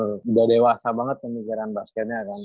sudah dewasa banget pemikiran basketnya kan